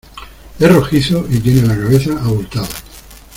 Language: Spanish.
es rojizo y tiene la cabeza abultada